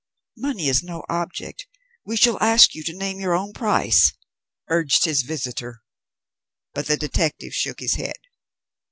"Money is no object; we shall ask you to name your own price," urged his visitor. But the detective shook his head.